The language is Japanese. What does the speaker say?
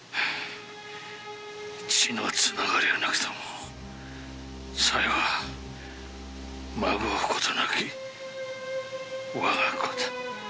血のつながりはなくとも小夜は紛うことなき我が子だ。